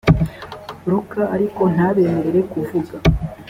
luka ariko ntabemerere kuvuga.